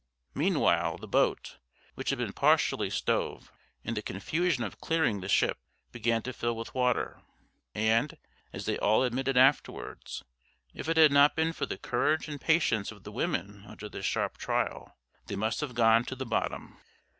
Meanwhile the boat, which had been partially stove, in the confusion of clearing the ship, began to fill with water; and, as they all admitted afterwards, if it had not been for the courage and patience of the women under this sharp trial, they must have gone to the bottom.